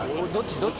どっち？